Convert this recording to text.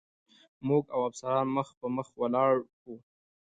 موږ او افسران مخ په مخ ولاړ و.